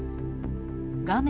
画面